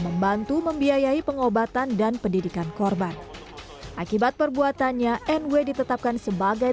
membantu membiayai pengobatan dan pendidikan korban akibat perbuatannya nw ditetapkan sebagai